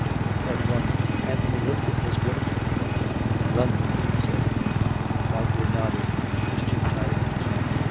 CHAPTER II Anthony lifted his whip and pointed. " London," he said. Marjorie nodded; she was too tired to speak.